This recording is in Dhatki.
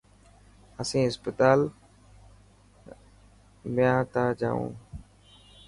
اسين هسپتال هيا تا جوڻ.